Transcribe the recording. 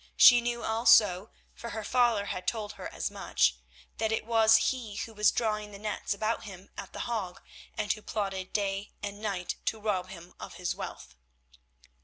She knew also, for her father had told her as much, that it was he who was drawing the nets about him at The Hague, and who plotted day and night to rob him of his wealth.